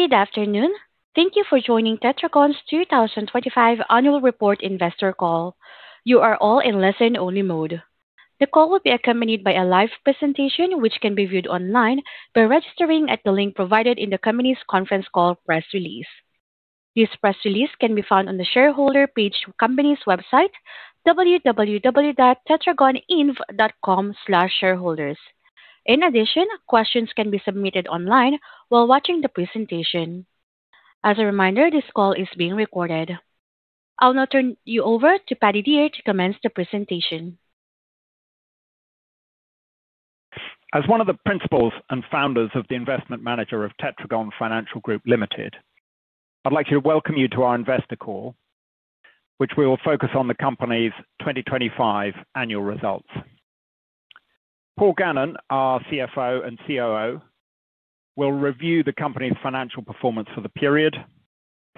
Good afternoon. Thank you for joining Tetragon's 2025 annual report investor call. You are all in listen only mode. The call will be accompanied by a live presentation, which can be viewed online by registering at the link provided in the company's conference call press release. This press release can be found on the shareholder page company's website, www.tetragoninv.com/shareholders. Questions can be submitted online while watching the presentation. As a reminder, this call is being recorded. I'll now turn you over to Paddy Dear to commence the presentation. As one of the principals and founders of the investment manager of Tetragon Financial Group Limited, I'd like to welcome you to our investor call, which will focus on the company's 2025 annual results. Paul Gannon, our CFO and COO, will review the company's financial performance for the period.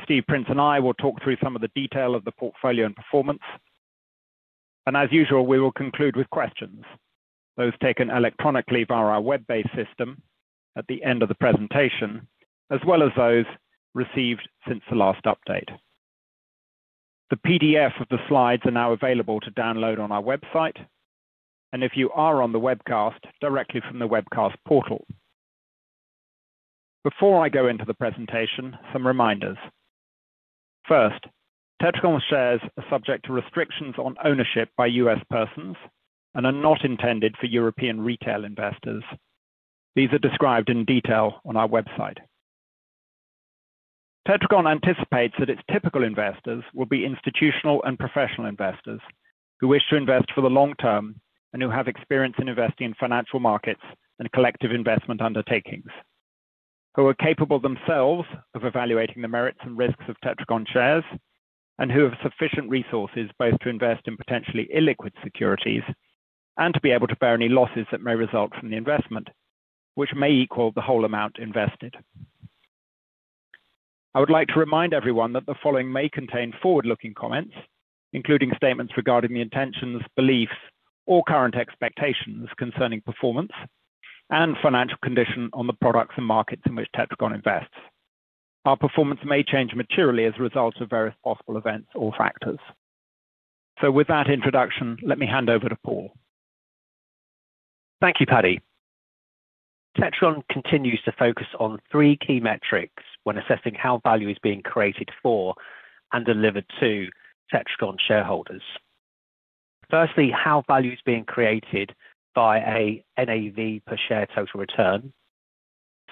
Stephen Prince and I will talk through some of the detail of the portfolio and performance. As usual, we will conclude with questions, those taken electronically via our web-based system at the end of the presentation, as well as those received since the last update. The PDF of the slides are now available to download on our website, and if you are on the webcast, directly from the webcast portal. Before I go into the presentation, some reminders. First, Tetragon shares are subject to restrictions on ownership by U.S. persons and are not intended for European retail investors. These are described in detail on our website. Tetragon anticipates that its typical investors will be institutional and professional investors who wish to invest for the long term and who have experience in investing in financial markets and collective investment undertakings, who are capable themselves of evaluating the merits and risks of Tetragon shares, and who have sufficient resources both to invest in potentially illiquid securities and to be able to bear any losses that may result from the investment, which may equal the whole amount invested. I would like to remind everyone that the following may contain forward-looking comments, including statements regarding the intentions, beliefs, or current expectations concerning performance and financial condition on the products and markets in which Tetragon invests. Our performance may change materially as a result of various possible events or factors. With that introduction, let me hand over to Paul. Thank you, Paddy. Tetragon continues to focus on three key metrics when assessing how value is being created for and delivered to Tetragon shareholders. Firstly, how value is being created by a NAV per share total return.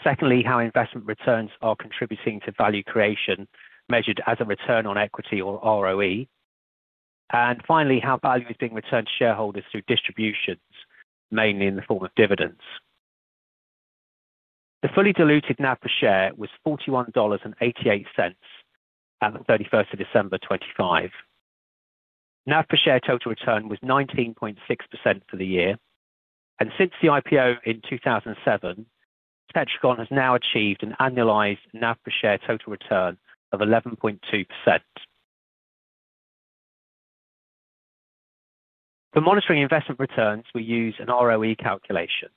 Secondly, how investment returns are contributing to value creation measured as a return on equity or ROE. Finally, how value is being returned to shareholders through distributions, mainly in the form of dividends. The fully diluted NAV per share was $41.88 at the 31st of December 2025. NAV per share total return was 19.6% for the year. Since the IPO in 2007, Tetragon has now achieved an annualized NAV per share total return of 11.2%. For monitoring investment returns, we use an ROE calculation.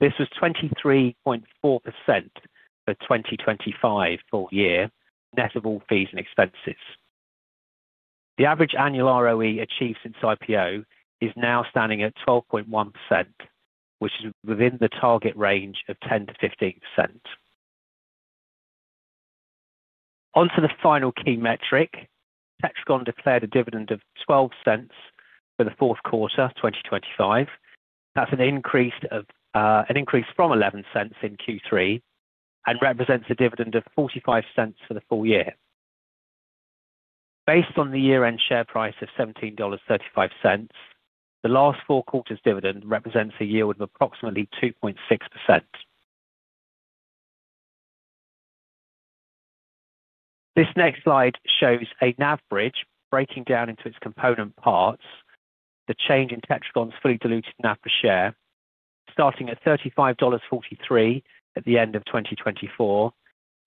This was 23.4% for 2025 full year, net of all fees and expenses. The average annual ROE achieved since IPO is now standing at 12.1%, which is within the target range of 10%-15%. On to the final key metric. Tetragon declared a dividend of $0.12 for the fourth quarter 2025. That's an increase of an increase from $0.11 in Q3 and represents a dividend of $0.45 for the full year. Based on the year-end share price of $17.35, the last four quarters dividend represents a yield of approximately 2.6%. This next slide shows a NAV bridge breaking down into its component parts. The change in Tetragon's fully diluted NAV per share, starting at $35.43 at the end of 2024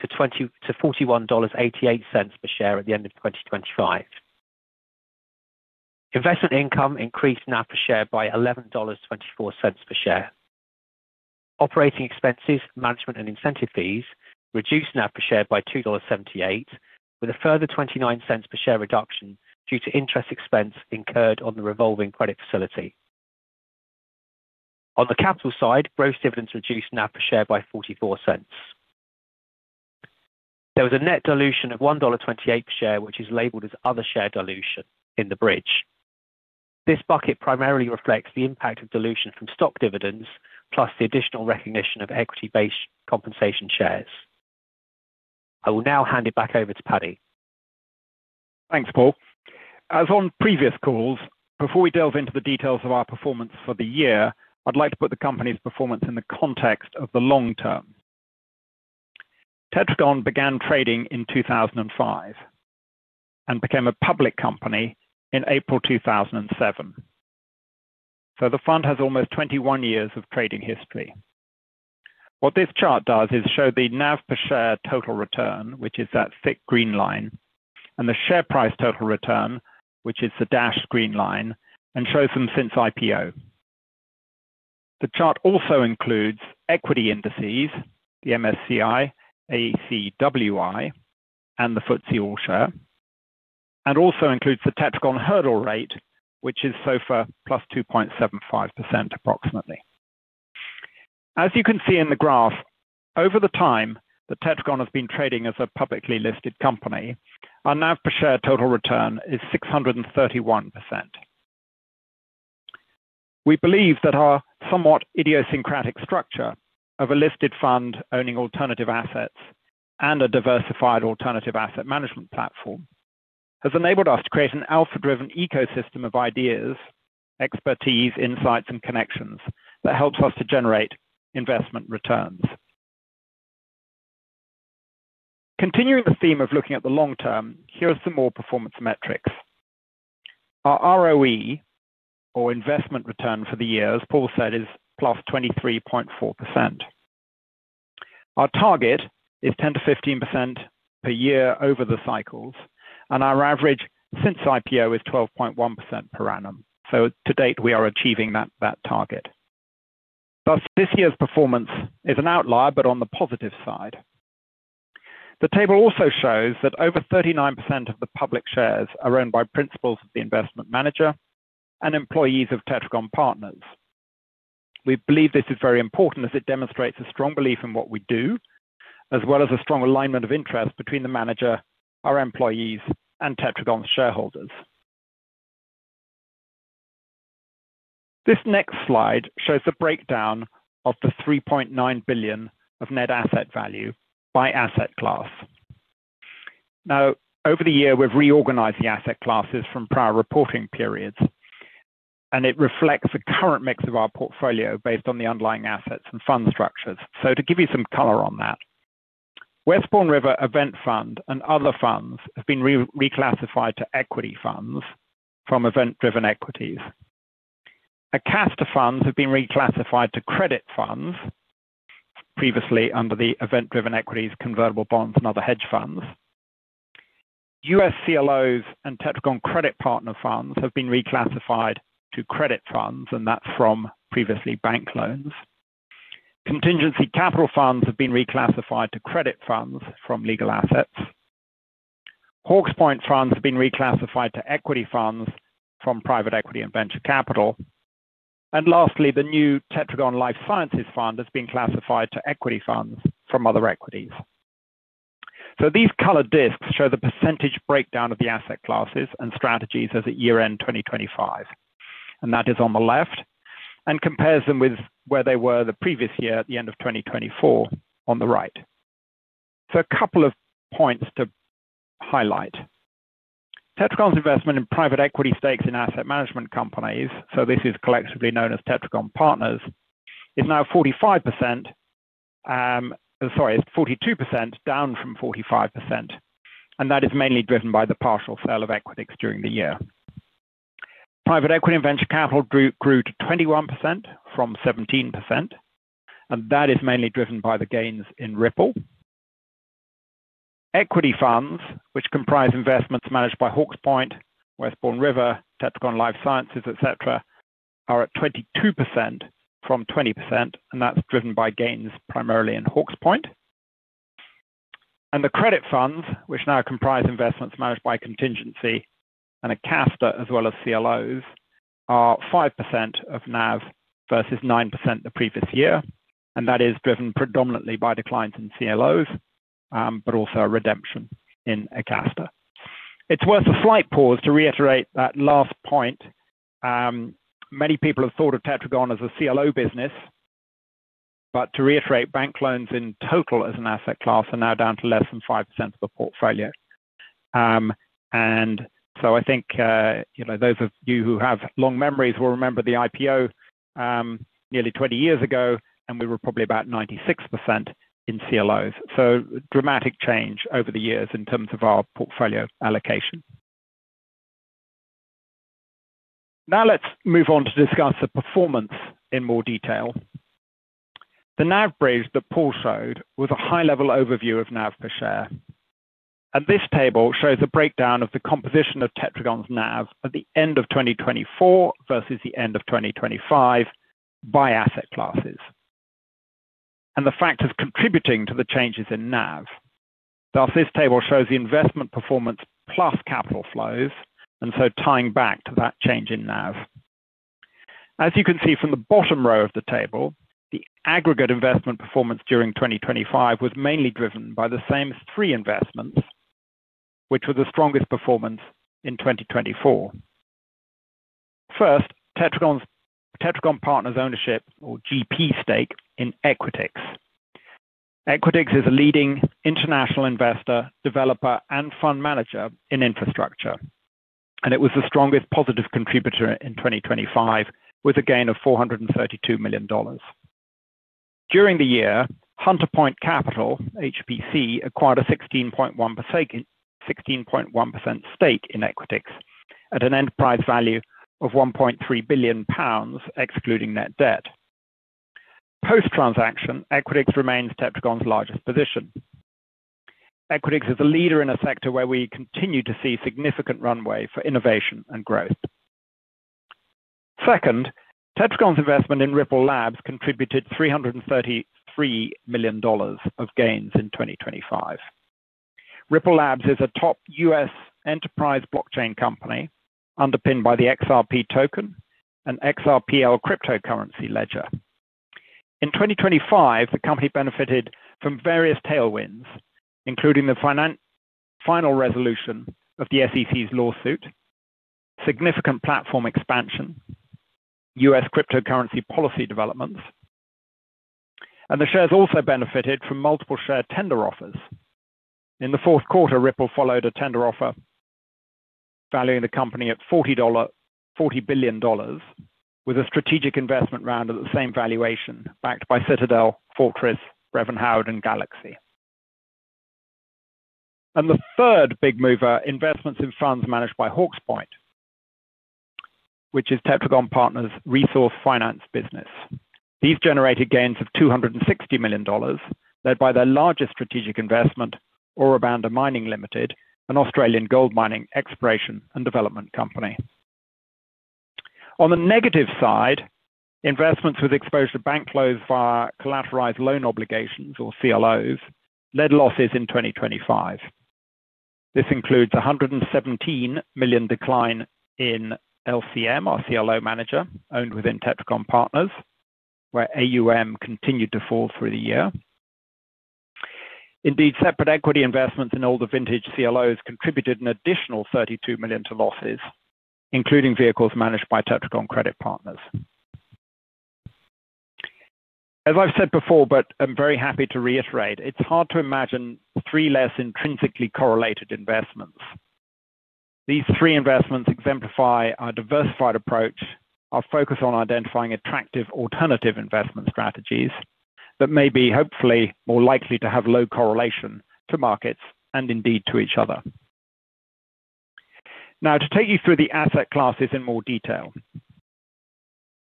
to $41.88 per share at the end of 2025. Investment income increased NAV per share by $11.24 per share. Operating expenses, management and incentive fees reduced NAV per share by $2.78, with a further $0.29 per share reduction due to interest expense incurred on the revolving credit facility. On the capital side, gross dividends reduced NAV per share by $0.44. There was a net dilution of $1.28 per share, which is labeled as other share dilution in the bridge. This bucket primarily reflects the impact of dilution from stock dividends plus the additional recognition of equity-based compensation shares. I will now hand it back over to Paddy. Thanks, Paul. As on previous calls, before we delve into the details of our performance for the year, I'd like to put the company's performance in the context of the long term. Tetragon began trading in 2005 and became a public company in April 2007. The fund has almost 21 years of trading history. What this chart does is show the NAV per share total return, which is that thick green line, and the share price total return, which is the dashed green line, and shows them since IPO. The chart also includes equity indices, the MSCI, ACWI, and the FTSE All-Share, and also includes the Tetragon hurdle rate, which is SOFR +2.75% approximately. As you can see in the graph, over the time that Tetragon has been trading as a publicly listed company, our NAV per share total return is 631%. We believe that our somewhat idiosyncratic structure of a listed fund owning alternative assets and a diversified alternative asset management platform has enabled us to create an alpha-driven ecosystem of ideas, expertise, insights and connections that helps us to generate investment returns. Continuing the theme of looking at the long term, here are some more performance metrics. Our ROE or investment return for the year, as Paul said, is +23.4%. Our target is 10%-15% per year over the cycles and our average since IPO is 12.1% per annum. To date, we are achieving that target. This year's performance is an outlier, but on the positive side. The table also shows that over 39% of the public shares are owned by principals of the investment manager and employees of Tetragon Partners. We believe this is very important as it demonstrates a strong belief in what we do, as well as a strong alignment of interest between the manager, our employees, and Tetragon's shareholders. This next slide shows the breakdown of the $3.9 billion of net asset value by asset class. Over the year, we've reorganized the asset classes from prior reporting periods, and it reflects the current mix of our portfolio based on the underlying assets and fund structures. To give you some color on that, Westbourne River Event Fund and other funds have been reclassified to equity funds from event-driven equities. Acasta funds have been reclassified to credit funds previously under the event-driven equities, convertible bonds, and other hedge funds. U.S. CLOs and Tetragon Credit Partners funds have been reclassified to credit funds, and that's from previously bank loans. Contingency Capital funds have been reclassified to credit funds from legal assets. Hawke's Point funds have been reclassified to equity funds from private equity and venture capital. Lastly, the new Tetragon Life Sciences Fund has been classified to equity funds from other equities. These colored discs show the percentage breakdown of the asset classes and strategies as at year-end 2025, and that is on the left, and compares them with where they were the previous year at the end of 2024 on the right. A couple of points to highlight. Tetragon's investment in private equity stakes in asset management companies, so this is collectively known as Tetragon Partners, is now 45%. Sorry, it's 42%, down from 45%, and that is mainly driven by the partial sale of Equitix during the year. Private equity and venture capital grew to 21% from 17%, and that is mainly driven by the gains in Ripple. Equity funds, which comprise investments managed by Hawke's Point, Westbourne River, Tetragon Life Sciences, et cetera, are at 22% from 20%, and that's driven by gains primarily in Hawke's Point. The credit funds, which now comprise investments managed by Contingency and Acasta, as well as CLOs, are 5% of NAV versus 9% the previous year. That is driven predominantly by declines in CLOs, but also a redemption in Acasta. It's worth a slight pause to reiterate that last point. Many people have thought of Tetragon as a CLO business. To reiterate, bank loans in total as an asset class are now down to less than 5% of the portfolio. I think, you know, those of you who have long memories will remember the IPO, nearly 20 years ago, and we were probably about 96% in CLOs. Dramatic change over the years in terms of our portfolio allocation. Now let's move on to discuss the performance in more detail. The NAV bridge that Paul showed was a high-level overview of NAV per share. This table shows a breakdown of the composition of Tetragon's NAV at the end of 2024 versus the end of 2025 by asset classes and the factors contributing to the changes in NAV. Thus, this table shows the investment performance plus capital flows tying back to that change in NAV. As you can see from the bottom row of the table, the aggregate investment performance during 2025 was mainly driven by the same three investments, which were the strongest performance in 2024. First, Tetragon Partners ownership or GP stake in Equitix. Equitix is a leading international investor, developer and fund manager in infrastructure. It was the strongest positive contributor in 2025 with a gain of $432 million. During the year, Hunter Point Capital, HPC, acquired a 16.1% stake in Equitix at an enterprise value of 1.3 billion pounds excluding net debt. Post-transaction, Equitix remains Tetragon's largest position. Equitix is a leader in a sector where we continue to see significant runway for innovation and growth. Second, Tetragon's investment in Ripple Labs contributed $333 million of gains in 2025. Ripple Labs is a top U.S. enterprise blockchain company underpinned by the XRP token and XRPL cryptocurrency ledger. In 2025, the company benefited from various tailwinds, including the final resolution of the SEC's lawsuit, significant platform expansion, U.S. cryptocurrency policy developments, and the shares also benefited from multiple share tender offers. In the fourth quarter, Ripple followed a tender offer valuing the company at $40 billion with a strategic investment round at the same valuation backed by Citadel, Fortress, Brevan Howard and Galaxy. The third big mover, investments in funds managed by Hawke's Point, which is Tetragon Partners' resource finance business. These generated gains of $260 million, led by their largest strategic investment, Ora Banda Mining Limited, an Australian gold mining exploration and development company. On the negative side, investments with exposure to bank loans via collateralized loan obligations, or CLOs, led losses in 2025. This includes a $117 million decline in LCM, our CLO manager, owned within Tetragon Partners, where AUM continued to fall through the year. Indeed, separate equity investments in older vintage CLOs contributed an additional $32 million to losses, including vehicles managed by Tetragon Credit Partners. As I've said before, but I'm very happy to reiterate, it's hard to imagine three less intrinsically correlated investments. These three investments exemplify our diversified approach, our focus on identifying attractive alternative investment strategies that may be hopefully more likely to have low correlation to markets and indeed to each other. Now, to take you through the asset classes in more detail.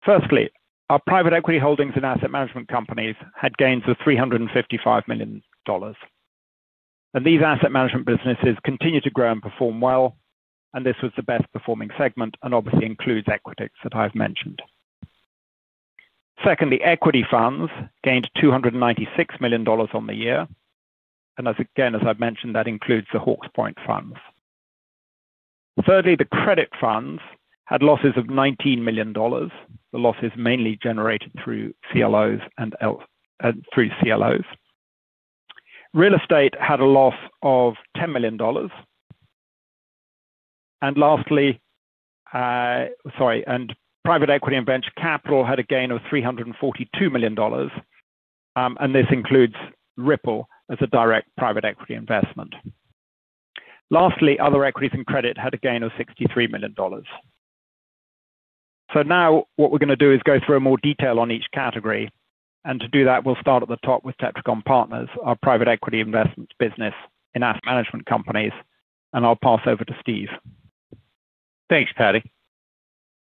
Firstly, our private equity holdings in asset management companies had gains of $355 million. These asset management businesses continue to grow and perform well, and this was the best performing segment and obviously includes Equitix that I've mentioned. Secondly, equity funds gained $296 million on the year, and as again, as I've mentioned, that includes the Hawke's Point funds. Thirdly, the credit funds had losses of $19 million. The losses mainly generated through CLOs. Real estate had a loss of $10 million. Lastly, sorry. Private equity and venture capital had a gain of $342 million, and this includes Ripple as a direct private equity investment. Lastly, other equities and credit had a gain of $63 million. Now what we're gonna do is go through more detail on each category. To do that, we'll start at the top with Tetragon Partners, our private equity investments business in asset management companies. I'll pass over to Steve. Thanks, Paddy.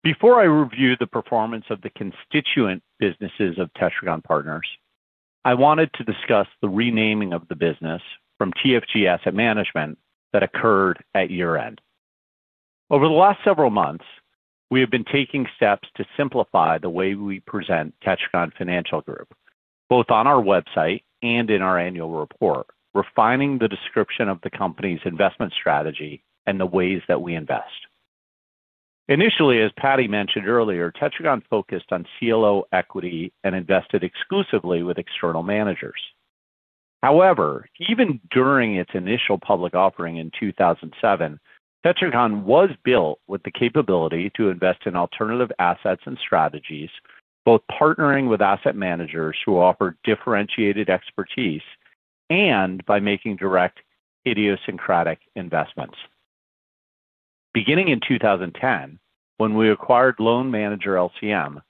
Before I review the performance of the constituent businesses of Tetragon Partners, I wanted to discuss the renaming of the business from TFG Asset Management that occurred at year-end. Over the last several months, we have been taking steps to simplify the way we present Tetragon Financial Group, both on our website and in our annual report, refining the description of the company's investment strategy and the ways that we invest. Initially, as Paddy mentioned earlier, Tetragon focused on CLO equity and invested exclusively with external managers. Even during its initial public offering in 2007, Tetragon was built with the capability to invest in alternative assets and strategies, both partnering with asset managers who offer differentiated expertise and by making direct idiosyncratic investments. Beginning in 2010, when we acquired loan manager LCM,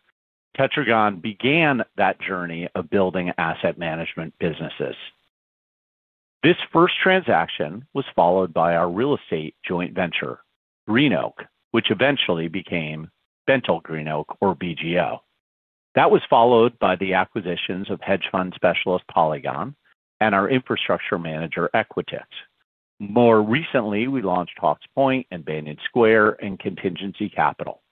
Tetragon began that journey of building asset management businesses. This first transaction was followed by our real estate joint venture, GreenOak, which eventually became BentallGreenOak or BGO. That was followed by the acquisitions of hedge fund specialist, Polygon, and our infrastructure manager, Equitix. More recently, we launched Hawke's Point and Banyan Square and Contingency Capital.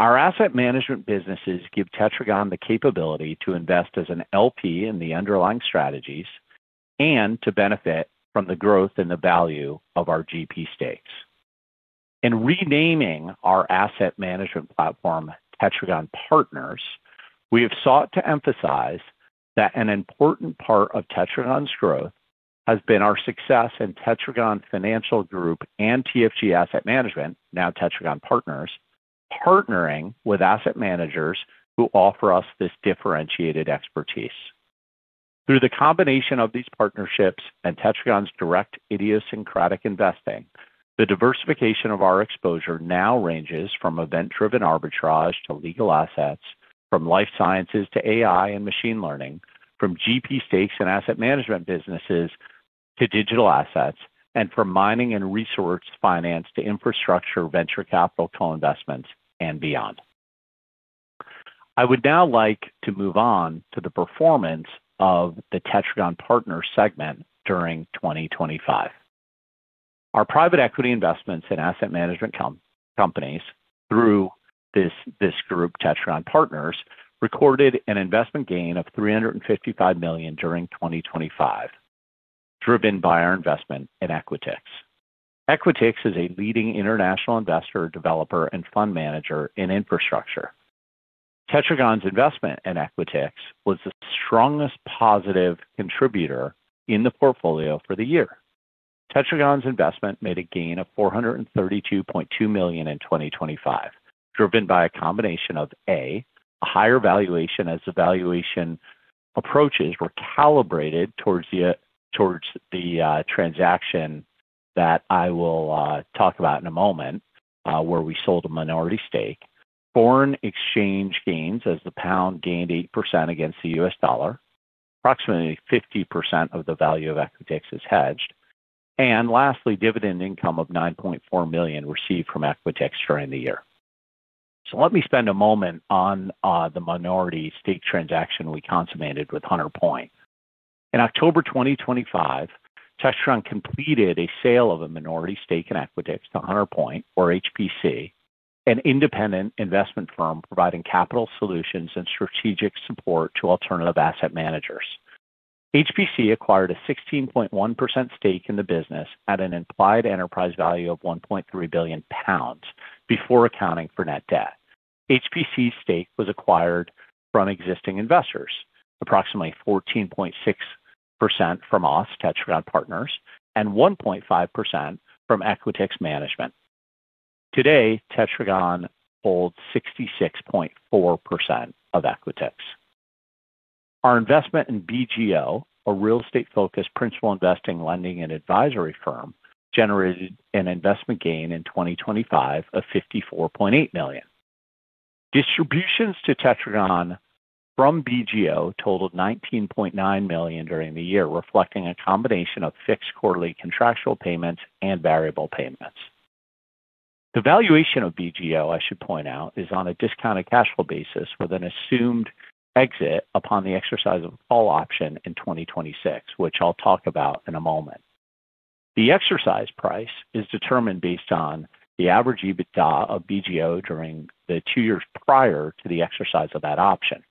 Our asset management businesses give Tetragon the capability to invest as an LP in the underlying strategies and to benefit from the growth and the value of our GP stakes. In renaming our asset management platform, Tetragon Partners, we have sought to emphasize that an important part of Tetragon's growth has been our success in Tetragon Financial Group and TFG Asset Management, now Tetragon Partners, partnering with asset managers who offer us this differentiated expertise. Through the combination of these partnerships and Tetragon's direct idiosyncratic investing, the diversification of our exposure now ranges from event-driven arbitrage to legal assets, from life sciences to AI and machine learning, from GP stakes and asset management businesses to digital assets, and from mining and resource finance to infrastructure, venture capital, co-investments and beyond. I would now like to move on to the performance of the Tetragon Partners segment during 2025. Our private equity investments in asset management companies through this group, Tetragon Partners, recorded an investment gain of $355 million during 2025, driven by our investment in Equitix. Equitix is a leading international investor, developer and fund manager in infrastructure. Tetragon's investment in Equitix was the strongest positive contributor in the portfolio for the year. Tetragon's investment made a gain of $432.2 million in 2025, driven by a combination of A, a higher valuation as the valuation approaches were calibrated towards the transaction that I will talk about in a moment, where we sold a minority stake. Foreign exchange gains as the pound gained 8% against the US dollar. Approximately 50% of the value of Equitix is hedged. And lastly, dividend income of $9.4 million received from Equitix during the year. Let me spend a moment on the minority stake transaction we consummated with Hunter Point. In October 2025, Tetragon completed a sale of a minority stake in Equitix to Hunter Point or HPC, an independent investment firm providing capital solutions and strategic support to alternative asset managers. HPC acquired a 16.1% stake in the business at an implied enterprise value of 1.3 billion pounds before accounting for net debt. HPC's stake was acquired from existing investors, approximately 14.6% from us, Tetragon Partners, and 1.5% from Equitix management. Today, Tetragon holds 66.4% of Equitix. Our investment in BGO, a real estate-focused principal investing, lending, and advisory firm, generated an investment gain in 2025 of $54.8 million. Distributions to Tetragon from BGO totaled $19.9 million during the year, reflecting a combination of fixed quarterly contractual payments and variable payments. The valuation of BGO, I should point out, is on a discounted cash flow basis with an assumed exit upon the exercise of call option in 2026, which I'll talk about in a moment. The exercise price is determined based on the average EBITDA of BGO during the two years prior to the exercise of that option.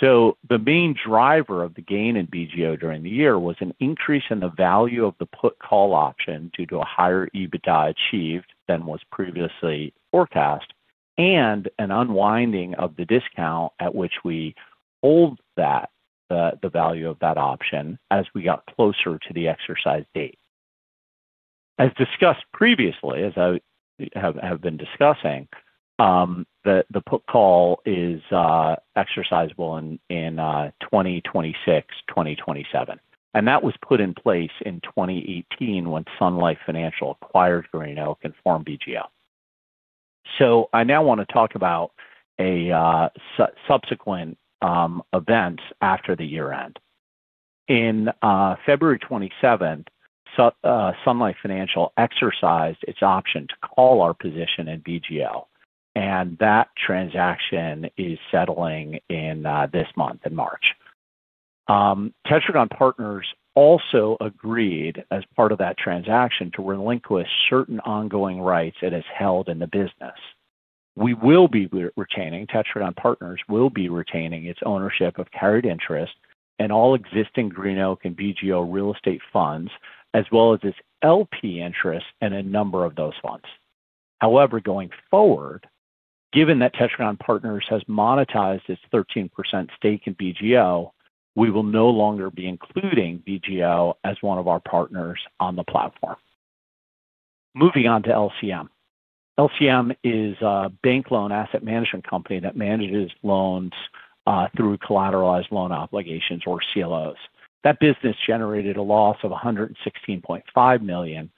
The main driver of the gain in BGO during the year was an increase in the value of the put call option due to a higher EBITDA achieved than was previously forecast, and an unwinding of the discount at which we hold the value of that option as we got closer to the exercise date. As discussed previously, as I have been discussing, the put call is exercisable in 2026, 2027, and that was put in place in 2018 when Sun Life Financial acquired GreenOak and formed BGO. I now want to talk about subsequent events after the year-end. In February 27th, Sun Life Financial exercised its option to call our position in BGO, and that transaction is settling this month, in March. Tetragon Partners also agreed, as part of that transaction, to relinquish certain ongoing rights it has held in the business. We will be retaining, Tetragon Partners will be retaining its ownership of carried interest in all existing GreenOak and BGO real estate funds, as well as its LP interest in a number of those funds. However, going forward, given that Tetragon Partners has monetized its 13% stake in BGO, we will no longer be including BGO as one of our partners on the platform. Moving on to LCM. LCM is a bank loan asset management company that manages loans through collateralized loan obligations or CLOs. That business generated a loss of $116.5 million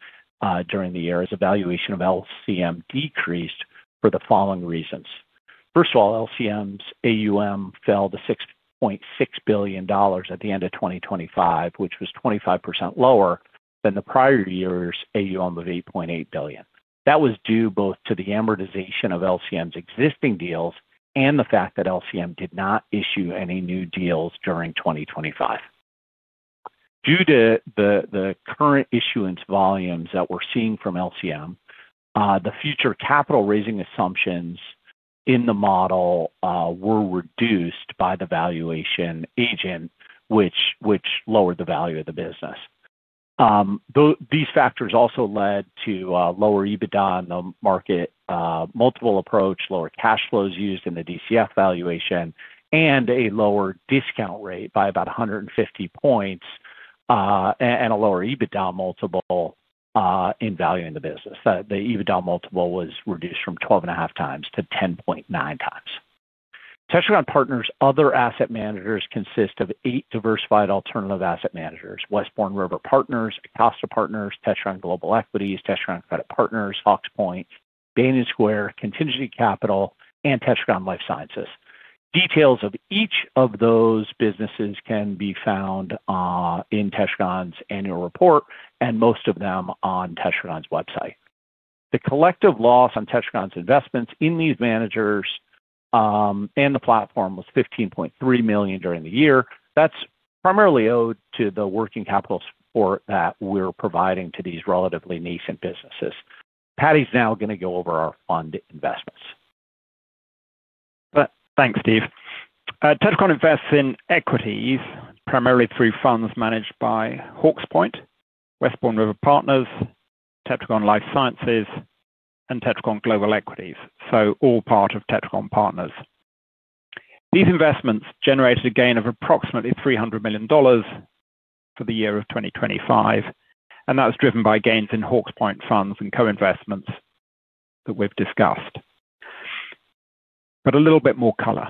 during the year as the valuation of LCM decreased for the following reasons. First of all, LCM's AUM fell to $6.6 billion at the end of 2025, which was 25% lower than the prior year's AUM of $8.8 billion. That was due both to the amortization of LCM's existing deals and the fact that LCM did not issue any new deals during 2025. Due to the current issuance volumes that we're seeing from LCM, the future capital raising assumptions in the model, were reduced by the valuation agent which lowered the value of the business. These factors also led to lower EBITDA on the market multiple approach, lower cash flows used in the DCF valuation, and a lower discount rate by about 150 points and a lower EBITDA multiple in valuing the business. The EBITDA multiple was reduced from 12.5 times to 10.9 times. Tetragon Partners' other asset managers consist of eight diversified alternative asset managers: Westbourne River Partners, Acasta Partners, Tetragon Global Equities, Tetragon Credit Partners, Foxpoint, Banyan Square Partners, Contingency Capital, and Tetragon Life Sciences. Details of each of those businesses can be found in Tetragon's annual report, and most of them on Tetragon's website. The collective loss on Tetragon's investments in these managers and the platform was $15.3 million during the year. That's primarily owed to the working capital support that we're providing to these relatively nascent businesses. Patty's now gonna go over our fund investments. Thanks, Steve. Tetragon invests in equities primarily through funds managed by Hawke's Point, Westbourne River Partners, Tetragon Life Sciences, and Tetragon Global Equities. All part of Tetragon Partners. These investments generated a gain of approximately $300 million for the year of 2025, and that was driven by gains in Hawke's Point funds and co-investments that we've discussed. A little bit more color.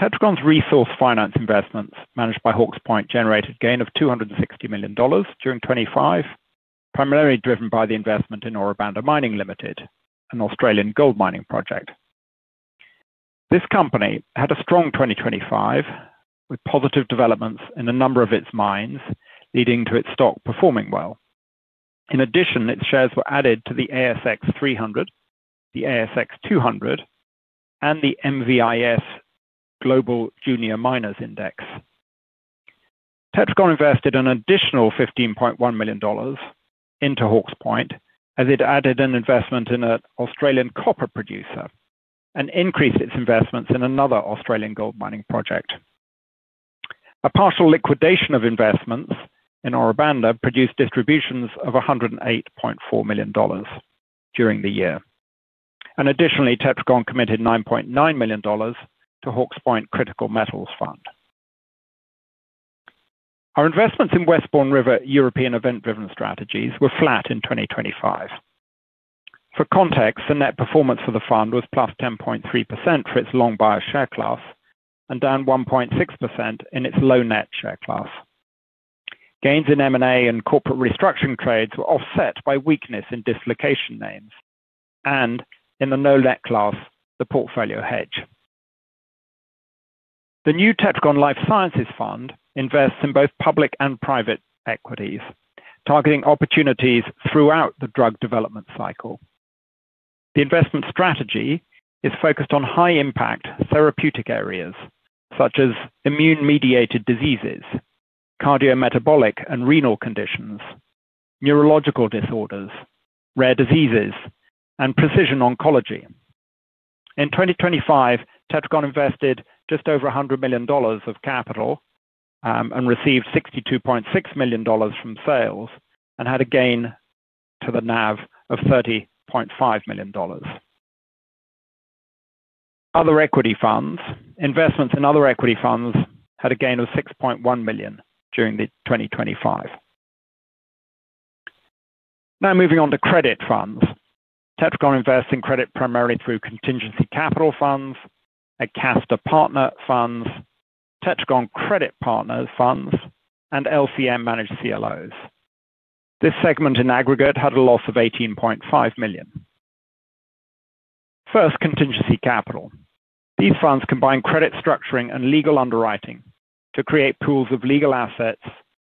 Tetragon's resource finance investments managed by Hawke's Point generated gain of $260 million during 2025, primarily driven by the investment in Ora Banda Mining Limited, an Australian gold mining project. This company had a strong 2025, with positive developments in a number of its mines, leading to its stock performing well. In addition, its shares were added to the ASX 300, the ASX 200, and the MVIS Global Junior Miners Index. Tetragon invested an additional $15.1 million into Hawke's Point, as it added an investment in an Australian copper producer and increased its investments in another Australian gold mining project. A partial liquidation of investments in Ora Banda produced distributions of $108.4 million during the year. Additionally, Tetragon committed $9.9 million to Hawke's Point Critical Metals Fund. Our investments in Westbourne River European event-driven strategies were flat in 2025. For context, the net performance for the fund was +10.3% for its long buyer share class and down 1.6% in its low net share class. Gains in M&A and corporate restructuring trades were offset by weakness in dislocation names and in the no net class, the portfolio hedge. The new Tetragon Life Sciences Fund invests in both public and private equities, targeting opportunities throughout the drug development cycle. The investment strategy is focused on high-impact therapeutic areas such as immune-mediated diseases, cardiometabolic and renal conditions, neurological disorders, rare diseases, and precision oncology. In 2025, Tetragon invested just over $100 million of capital, and received $62.6 million from sales and had a gain to the NAV of $30.5 million. Other equity funds. Investments in other equity funds had a gain of $6.1 million during 2025. Moving on to credit funds. Tetragon invests in credit primarily through Contingency Capital funds at Acasta Partner Funds, Tetragon Credit Partners Funds, and LCM-managed CLOs. This segment in aggregate had a loss of $18.5 million. First, Contingency Capital. These funds combine credit structuring and legal underwriting to create pools of legal assets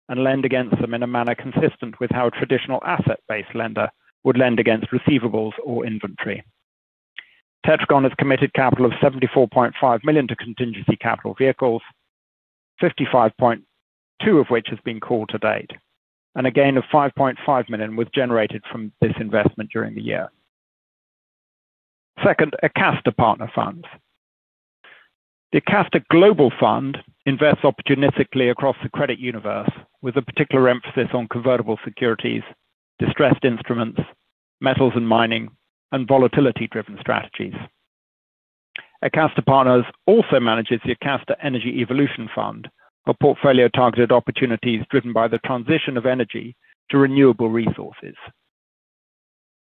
and lend against them in a manner consistent with how a traditional asset-based lender would lend against receivables or inventory. Tetragon has committed capital of $74.5 million to Contingency Capital vehicles, $55.2 million of which has been called to date, and a gain of $5.5 million was generated from this investment during the year. Second, Acasta Partner Funds. The Acasta Global Fund invests opportunistically across the credit universe, with a particular emphasis on convertible securities, distressed instruments, metals and mining, and volatility-driven strategies. Acasta Partners also manages the Acasta Energy Evolution Fund, a portfolio targeted opportunities driven by the transition of energy to renewable resources.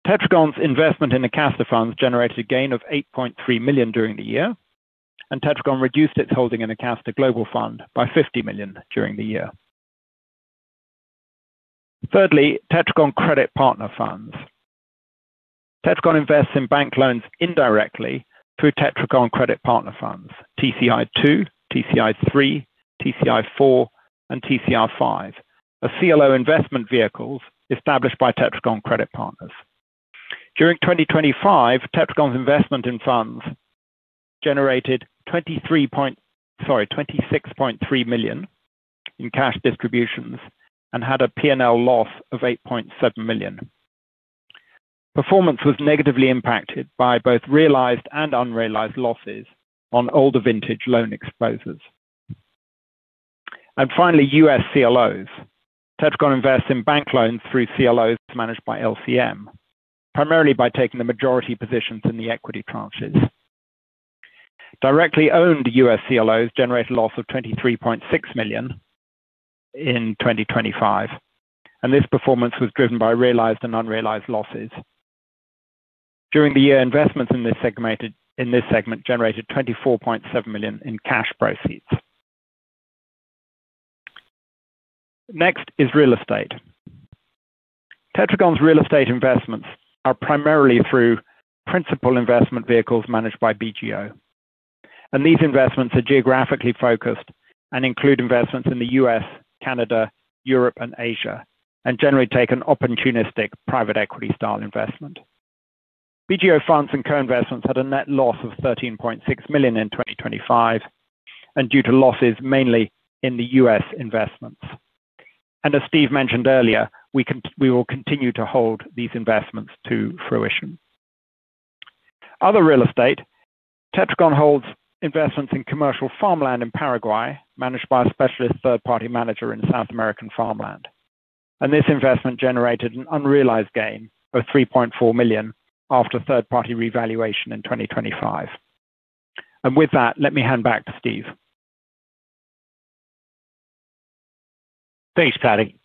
Tetragon's investment in Acasta funds generated a gain of $8.3 million during the year. Tetragon reduced its holding in Acasta Global Fund by $50 million during the year. Thirdly, Tetragon Credit Partner Funds. Tetragon invests in bank loans indirectly through Tetragon Credit Partner Funds, TCI II, TCI III, TCI IV, and TCI V, a CLO investment vehicles established by Tetragon Credit Partners. During 2025, Tetragon's investment in funds generated $26.3 million in cash distributions and had a P&L loss of $8.7 million. Performance was negatively impacted by both realized and unrealized losses on older vintage loan exposures. Finally, U.S. CLOs. Tetragon invests in bank loans through CLOs managed by LCM, primarily by taking the majority positions in the equity tranches. Directly owned U.S. CLOs generated a loss of $23.6 million in 2025. This performance was driven by realized and unrealized losses. During the year, investments in this segment generated $24.7 million in cash proceeds. Next is real estate. Tetragon's real estate investments are primarily through principal investment vehicles managed by BGO. These investments are geographically focused and include investments in the U.S., Canada, Europe, and Asia, and generally take an opportunistic private equity style investment. BGO funds and co-investments had a net loss of $13.6 million in 2025 and due to losses mainly in the U.S. investments. As Steve mentioned earlier, we will continue to hold these investments to fruition. Other real estate. Tetragon holds investments in commercial farmland in Paraguay, managed by a specialist third-party manager in South American farmland. This investment generated an unrealized gain of $3.4 million after third party revaluation in 2025. With that, let me hand back to Steve. Thanks, Paddy.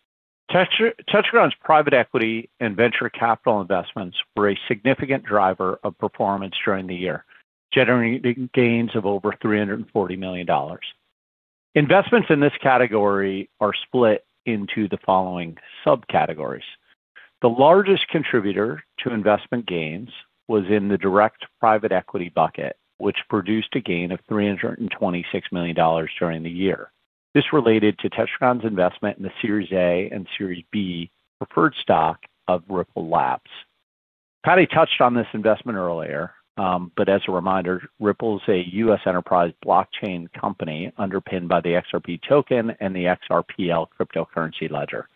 Tetragon's private equity and venture capital investments were a significant driver of performance during the year, generating gains of over $340 million. Investments in this category are split into the following subcategories. The largest contributor to investment gains was in the direct private equity bucket, which produced a gain of $326 million during the year. This related to Tetragon's investment in the Series A and Series B preferred stock of Ripple Labs. Paddy touched on this investment earlier. As a reminder, Ripple is a U.S. enterprise blockchain company underpinned by the XRP token and the XRPL cryptocurrency ledger.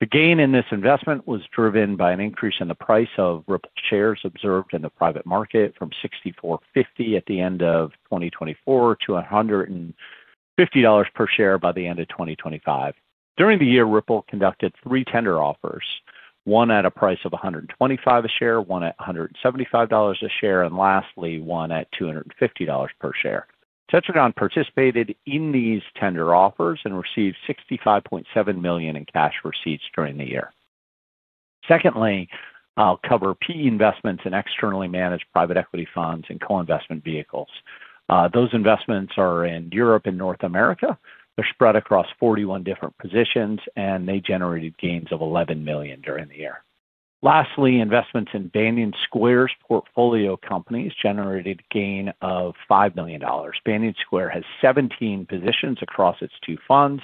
The gain in this investment was driven by an increase in the price of Ripple shares observed in the private market from $64.50 at the end of 2024 to $150 per share by the end of 2025. During the year, Ripple conducted 3 tender offers, one at a price of $125 a share, one at $175 a share, and lastly, one at $250 per share. Tetragon participated in these tender offers and received $65.7 million in cash receipts during the year. Secondly, I'll cover PE investments in externally managed private equity funds and co-investment vehicles. Those investments are in Europe and North America. They're spread across 41 different positions, and they generated gains of $11 million during the year. Lastly, investments in Banyan Square's portfolio companies generated gain of $5 million. Banyan Square has 17 positions across its two funds,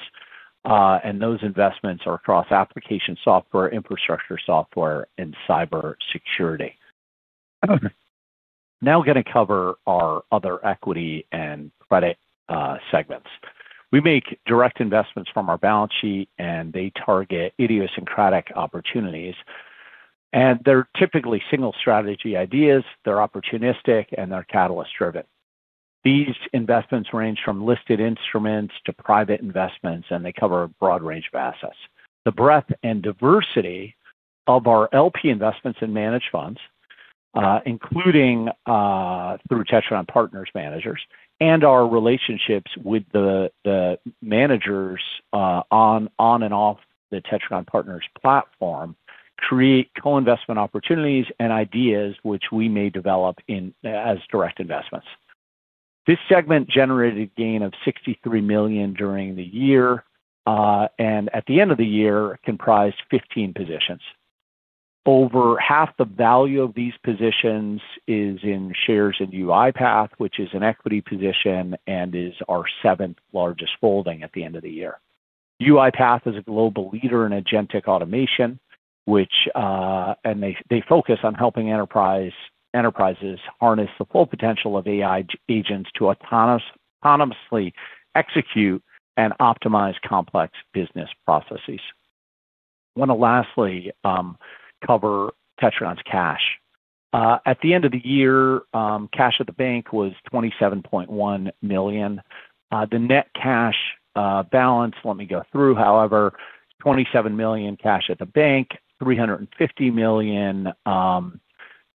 and those investments are across application software, infrastructure software, and cybersecurity. I'm now gonna cover our other equity and credit segments. We make direct investments from our balance sheet, and they target idiosyncratic opportunities, and they're typically single strategy ideas. They're opportunistic, and they're catalyst-driven. These investments range from listed instruments to private investments, and they cover a broad range of assets. The breadth and diversity of our LP investments in managed funds, including through Tetragon Partners managers, and our relationships with the managers on and off the Tetragon Partners platform, create co-investment opportunities and ideas which we may develop in as direct investments. This segment generated gain of $63 million during the year, and at the end of the year comprised 15 positions. Over half the value of these positions is in shares in UiPath, which is an equity position and is our 7th largest holding at the end of the year. UiPath is a global leader in agentic automation, which, and they focus on helping enterprises harness the full potential of AI agents to autonomously execute and optimize complex business processes. I wanna lastly, cover Tetragon's cash. At the end of the year, cash at the bank was $27.1 million. The net cash balance, let me go through, however, $27 million cash at the bank, $350 million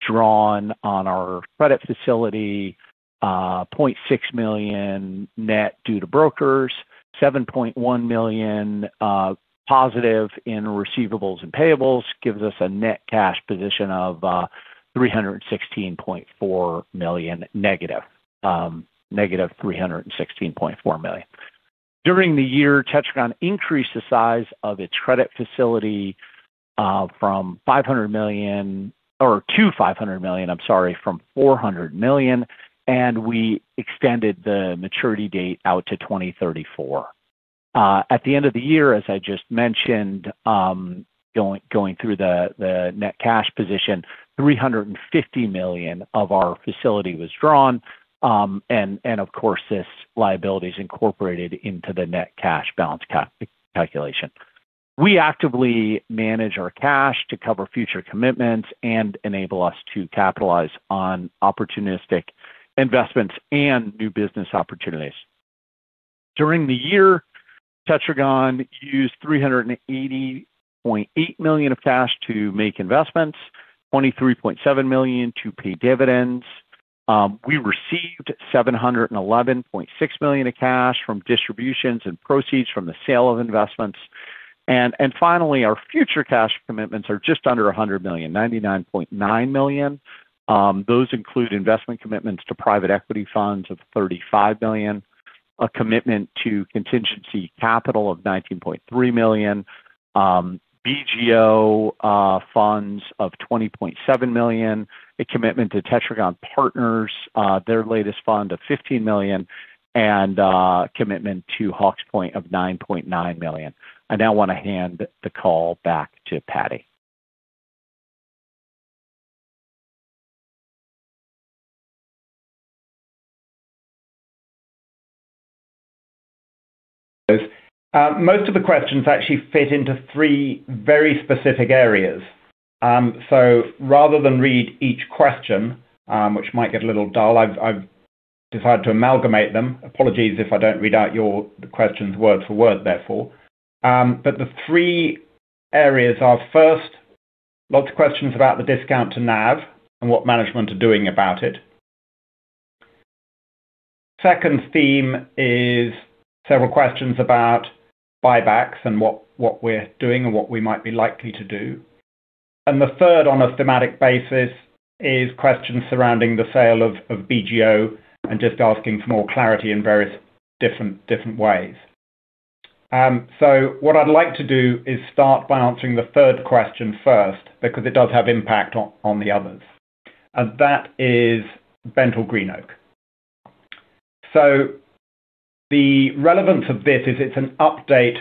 drawn on our credit facility, $0.6 million net due to brokers, $7.1 million positive in receivables and payables, gives us a net cash position of $316.4 million negative $316.4 million. During the year, Tetragon increased the size of its credit facility from $500 million or to $500 million, I'm sorry, from $400 million, and we extended the maturity date out to 2034. At the end of the year, as I just mentioned, going through the net cash position, $350 million of our facility was drawn. Of course, this liability is incorporated into the net cash balance calculation. We actively manage our cash to cover future commitments and enable us to capitalize on opportunistic investments and new business opportunities. During the year, Tetragon used $380.8 million of cash to make investments, $23.7 million to pay dividends. We received $711.6 million of cash from distributions and proceeds from the sale of investments. Finally, our future cash commitments are just under $100 million, $99.9 million. Those include investment commitments to private equity funds of $35 million, a commitment to Contingency Capital of $19.3 million. BGO funds of $20.7 million, a commitment to Tetragon Partners, their latest fund of $15 million, and commitment to Hawke's Point of $9.9 million. I now wanna hand the call back to Paddy. Most of the questions actually fit into three very specific areas. Rather than read each question, which might get a little dull, I've decided to amalgamate them. Apologies if I don't read out the questions word for word, therefore. The three areas are 1st, lots of questions about the discount to NAV and what management are doing about it. 2nd theme is several questions about buybacks and what we're doing and what we might be likely to do. The 3rd, on a thematic basis, is questions surrounding the sale of BGO and just asking for more clarity in various different ways. What I'd like to do is start by answering the 3rd question 1st because it does have impact on the others, and that is BentallGreenOak. The relevance of this is it's an update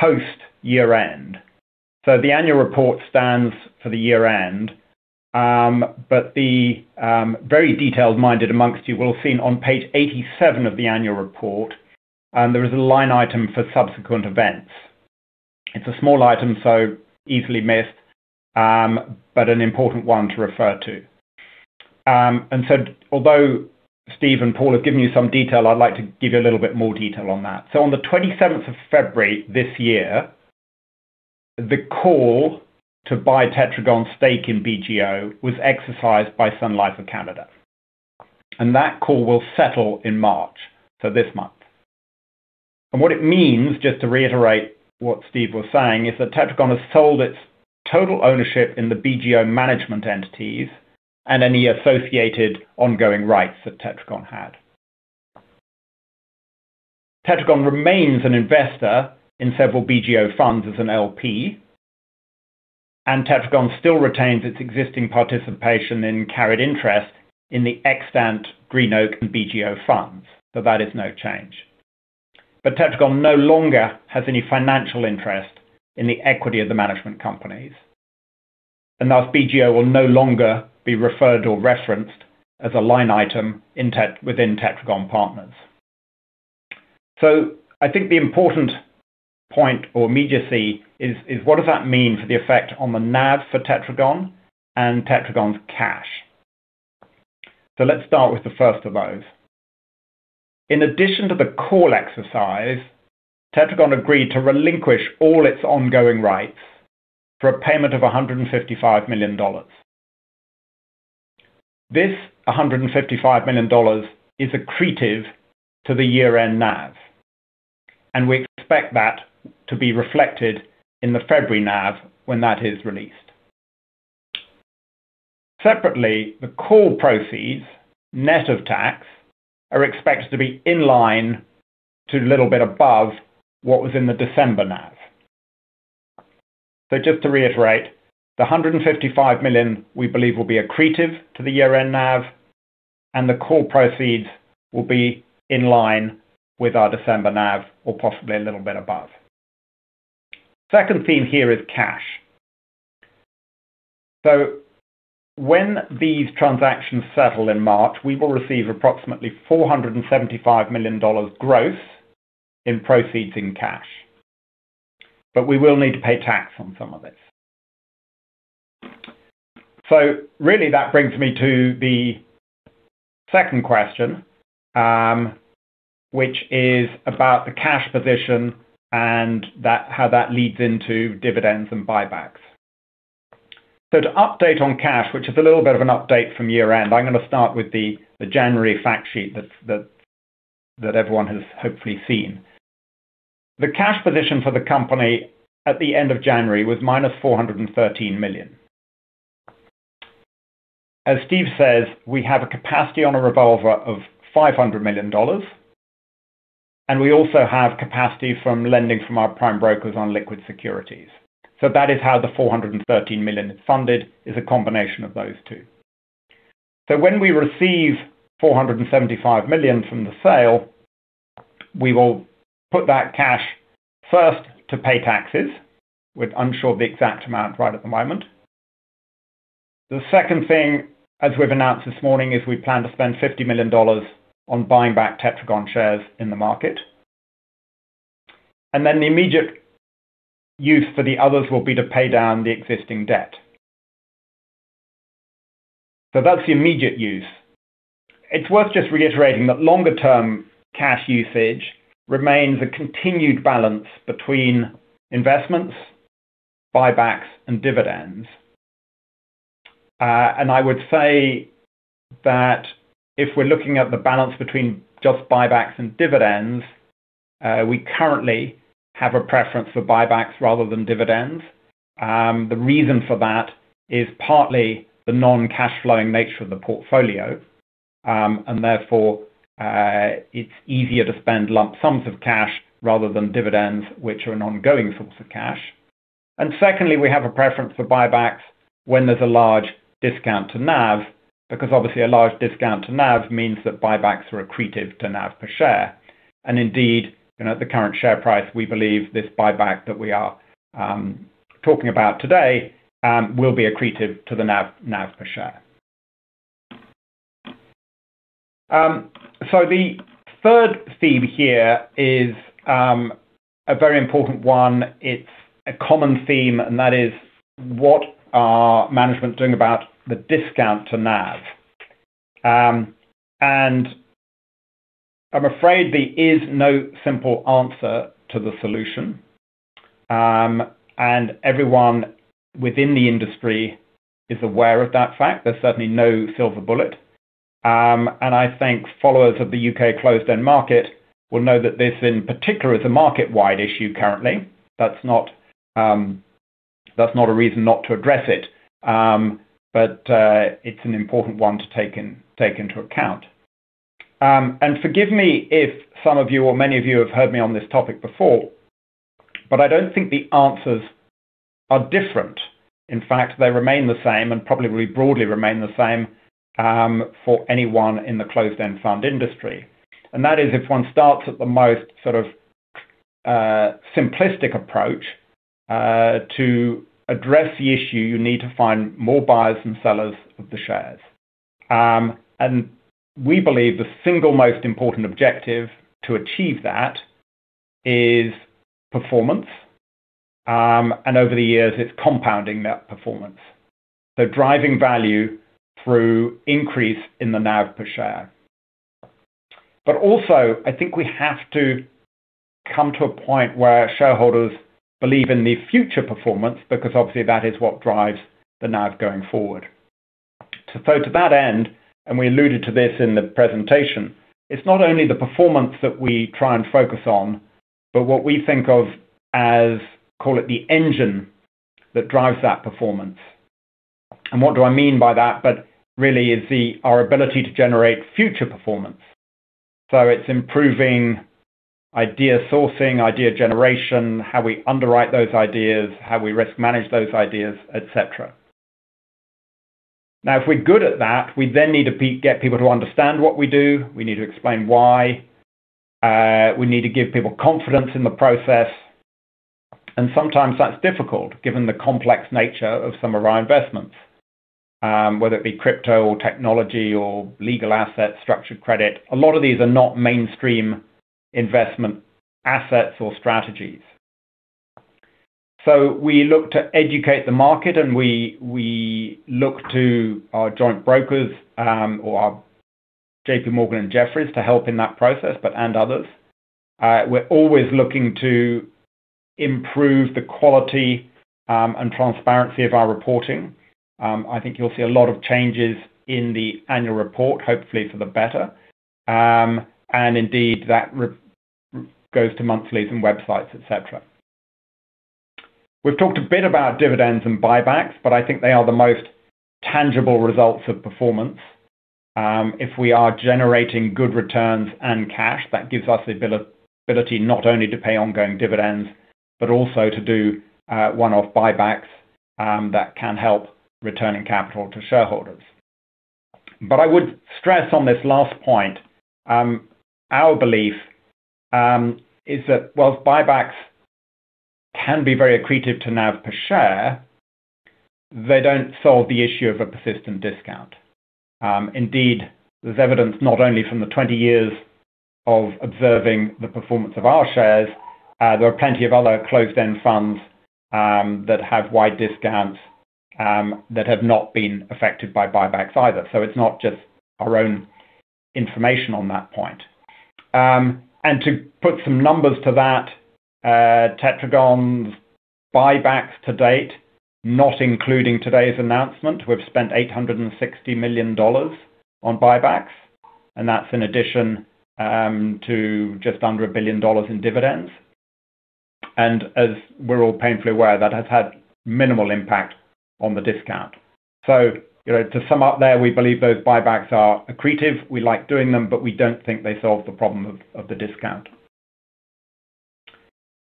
post year-end. The annual report stands for the year-end, but the very detailed-minded amongst you will have seen on page 87 of the annual report, and there is a line item for subsequent events. It's a small item, easily missed, but an important one to refer to. Although Steve and Paul have given you some detail, I'd like to give you a little bit more detail on that. On the 27th of February this year, the call to buy Tetragon's stake in BGO was exercised by Sun Life of Canada, and that call will settle in March, this month. What it means, just to reiterate what Steve was saying, is that Tetragon has sold its total ownership in the BGO management entities and any associated ongoing rights that Tetragon had. Tetragon remains an investor in several BGO funds as an LP. Tetragon still retains its existing participation in carried interest in the extant GreenOak and BGO funds, so that is no change. Tetragon no longer has any financial interest in the equity of the management companies. Thus BGO will no longer be referred or referenced as a line item within Tetragon Partners. I think the important point or immediacy is, what does that mean for the effect on the NAV for Tetragon and Tetragon's cash? Let's start with the first of those. In addition to the call exercise, Tetragon agreed to relinquish all its ongoing rights for a payment of $155 million. This $155 million is accretive to the year-end NAV. We expect that to be reflected in the February NAV when that is released. Separately, the call proceeds, net of tax, are expected to be in line to a little bit above what was in the December NAV. Just to reiterate, the $155 million we believe will be accretive to the year-end NAV. The call proceeds will be in line with our December NAV or possibly a little bit above. Second theme here is cash. When these transactions settle in March, we will receive approximately $475 million gross in proceeds in cash. We will need to pay tax on some of it. That brings me to the second question, which is about the cash position and how that leads into dividends and buybacks. To update on cash, which is a little bit of an update from year-end, I'm gonna start with the January fact sheet that everyone has hopefully seen. The cash position for the company at the end of January was -$413 million. As Steve says, we have a capacity on a revolver of $500 million, and we also have capacity from lending from our prime brokers on liquid securities. That is how the $413 million is funded, is a combination of those two. When we receive $475 million from the sale, we will put that cash first to pay taxes. We're unsure of the exact amount right at the moment. The second thing, as we've announced this morning, is we plan to spend $50 million on buying back Tetragon shares in the market. The immediate use for the others will be to pay down the existing debt. That's the immediate use. It's worth just reiterating that longer-term cash usage remains a continued balance between investments, buybacks and dividends. I would say that if we're looking at the balance between just buybacks and dividends, we currently have a preference for buybacks rather than dividends. The reason for that is partly the non-cash flowing nature of the portfolio. Therefore, it's easier to spend lump sums of cash rather than dividends, which are an ongoing source of cash. Secondly, we have a preference for buybacks when there's a large discount to NAV, because obviously a large discount to NAV means that buybacks are accretive to NAV per share. Indeed, you know, at the current share price, we believe this buyback that we are talking about today, will be accretive to the NAV per share. The third theme here is a very important one. It's a common theme, and that is what are management doing about the discount to NAV. I'm afraid there is no simple answer to the solution. Everyone within the industry is aware of that fact. There's certainly no silver bullet. I think followers of the U.K. closed-end market will know that this in particular is a market-wide issue currently. That's not a reason not to address it. It's an important one to take into account. Forgive me if some of you or many of you have heard me on this topic before, I don't think the answers are different. In fact, they remain the same and probably will broadly remain the same for anyone in the closed-end fund industry. That is if one starts at the most sort of simplistic approach to address the issue, you need to find more buyers than sellers of the shares. We believe the single most important objective to achieve that is performance. Over the years, it's compounding that performance. Driving value through increase in the NAV per share. Also, I think we have to come to a point where shareholders believe in the future performance, because obviously, that is what drives the NAV going forward. To that end, and we alluded to this in the presentation, it's not only the performance that we try and focus on, but what we think of as, call it, the engine that drives that performance. What do I mean by that? Really is our ability to generate future performance. It's improving idea sourcing, idea generation, how we underwrite those ideas, how we risk manage those ideas, et cetera. If we're good at that, we then need to get people to understand what we do. We need to explain why. We need to give people confidence in the process. Sometimes that's difficult, given the complex nature of some of our investments, whether it be crypto or technology or legal assets, structured credit. A lot of these are not mainstream investment assets or strategies. We look to educate the market and we look to our joint brokers, or our J.P. Morgan and Jefferies to help in that process, and others. We're always looking to improve the quality and transparency of our reporting. I think you'll see a lot of changes in the annual report, hopefully for the better. Indeed, that goes to monthlies and websites, et cetera. We've talked a bit about dividends and buybacks. I think they are the most tangible results of performance. If we are generating good returns and cash, that gives us the ability not only to pay ongoing dividends, but also to do one-off buybacks that can help returning capital to shareholders. I would stress on this last point, our belief is that whilst buybacks can be very accretive to NAV per share, they don't solve the issue of a persistent discount. Indeed, there's evidence not only from the 20 years of observing the performance of our shares, there are plenty of other closed-end funds that have wide discounts that have not been affected by buybacks either. It's not just our own information on that point. To put some numbers to that, Tetragon's buybacks to date, not including today's announcement. We've spent $860 million on buybacks, and that's in addition to just under $1 billion in dividends. As we're all painfully aware, that has had minimal impact on the discount. You know, to sum up there, we believe those buybacks are accretive. We like doing them, but we don't think they solve the problem of the discount.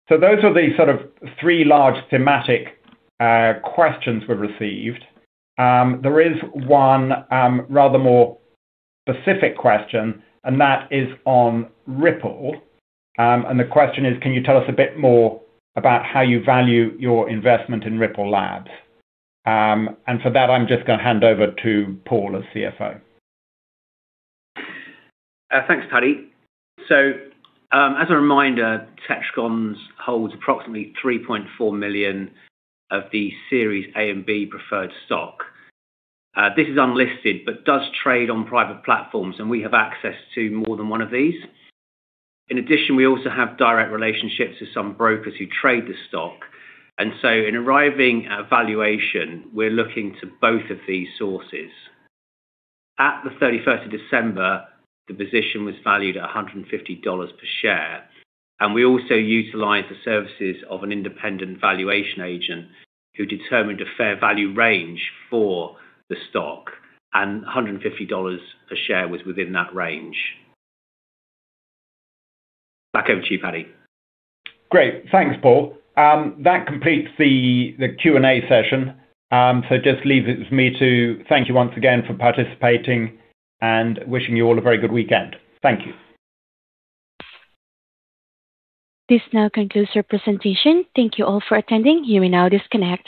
Those are the sort of three large thematic questions we've received. There is one rather more specific question, and that is on Ripple. The question is, can you tell us a bit more about how you value your investment in Ripple Labs? And for that, I'm just gonna hand over to Paul, as CFO. Thanks, Paddy. As a reminder, Tetragon holds approximately $3.4 million of the Series A and B preferred stock. This is unlisted but does trade on private platforms, and we have access to more than one of these. In addition, we also have direct relationships with some brokers who trade the stock. In arriving at valuation, we're looking to both of these sources. At the 31st of December, the position was valued at $150 per share. We also utilized the services of an independent valuation agent who determined a fair value range for the stock. $150 a share was within that range. Back over to you, Paddy. Great. Thanks, Paul. That completes the Q&A session. It just leaves it with me to thank you once again for participating and wishing you all a very good weekend. Thank you. This now concludes your presentation. Thank you all for attending. You may now disconnect.